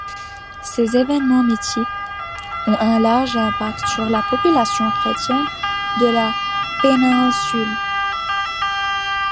Ces événements mythiques ont un large impact sur la population chrétienne de la péninsule.